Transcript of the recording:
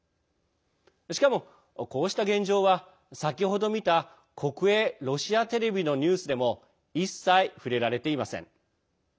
しかも、こうした現状は先ほど見た国営ロシアテレビのニュースでも一切、触れられていません。